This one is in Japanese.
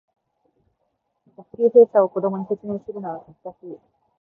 学級閉鎖を子供に説明するのが難しい